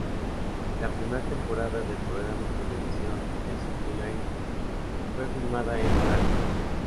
La primera temporada del programa televisivo "The Simple Life" fue filmada en Altus.